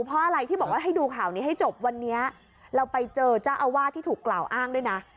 เพราะอะไรที่บอกว่าให้ดูข่าวนี้ให้จบวันนี้เราไปเจอเจ้าอาวาสที่ถูกกล่าวอ้างด้วยนะ